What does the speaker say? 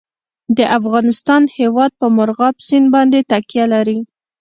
د افغانستان هیواد په مورغاب سیند باندې تکیه لري.